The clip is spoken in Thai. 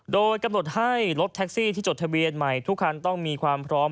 โดยกำหนดให้รถแท็กซี่ที่จดทะเบียนใหม่ทุกคันต้องมีความพร้อม